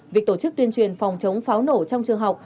việc tổ chức tuyên truyền phòng chống pháo nổ trong trường học